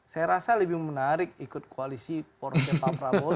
saya rasa lebih menarik ikut koalisi pak prabowo